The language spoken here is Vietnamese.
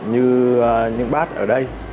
như những bát ở đây